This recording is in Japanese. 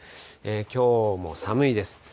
きょうも寒いです。